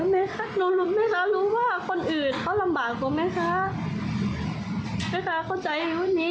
แม่ค้ารู้รู้แม่ค้ารู้ว่าคนอื่นเขาลำบากกว่าแม่ค้าแม่ค้าเข้าใจวันนี้